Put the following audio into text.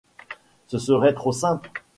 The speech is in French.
Ce serait trop simple.